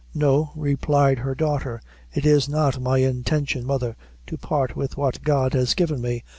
"No," replied her daughter, "it is not my intention, mother, to part with what God has given me.